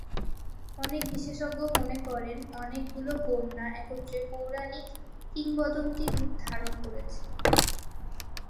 অনেক বিশেষজ্ঞ মনে করেন অনেক গুলো বন্যা একত্রে পৌরাণিক কিংবদন্তী রূপ ধারণ করেছে।